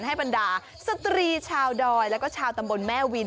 ให้บรรดาสตรีชาวดอยแล้วก็ชาวตำบลแม่วิน